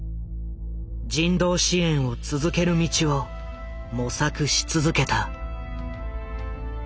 人道支援を続ける道を模索し続けた。